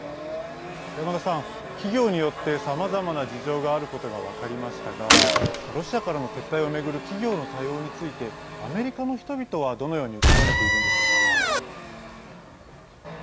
山田さん、企業によってさまざまな事情があることが分かりましたがロシアからの撤退をめぐる企業の対応についてアメリカの人々は、どのように受け止めているんでしょうか。